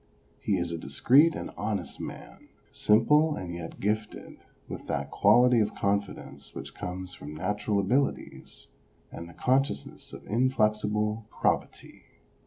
He is a discreet and honest man, simple and yet gifted with that quality of confidence which comes from natural abilities and the consciousness of inflexible probity.